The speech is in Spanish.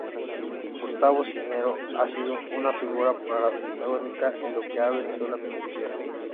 Gustavo Cisneros, ha sido una figura protagónica en lo que a Venezuela concierne.